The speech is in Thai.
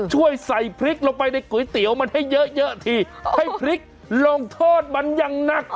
ช่วยใส่พริกลงไปในก๋วยเตี๋ยวมันให้เยอะทีให้พริกลงทอดมันอย่างหนัก